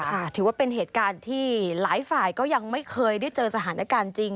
ถือว่าเป็นเหตุการณ์ที่หลายฝ่ายก็ยังไม่เคยได้เจอสถานการณ์จริง